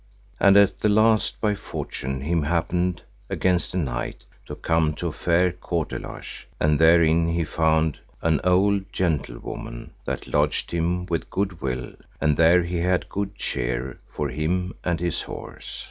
And at the last by fortune him happened, against a night, to come to a fair courtelage, and therein he found an old gentlewoman that lodged him with good will, and there he had good cheer for him and his horse.